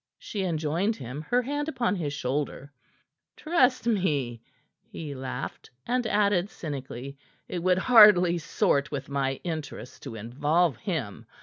she enjoined him, her hand upon his shoulder. "Trust me," he laughed, and added cynically: "It would hardly sort with my interests to involve him.